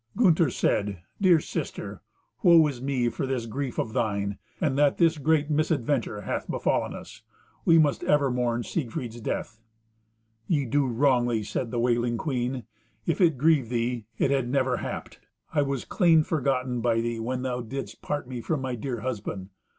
Gunther said, "Dear sister, woe is me for this grief of thine, and that this great misadventure hath befallen us. We must ever mourn Siegfried's death." "Ye do wrongly," said the wailing queen. "If it grieved thee, it had never happed. I was clean forgotten by thee when thou didst part me from my dear husband.